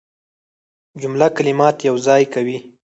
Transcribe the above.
جمله کلمات یوځای کوي.